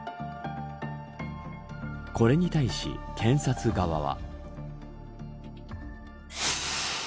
これに対し、検察側は。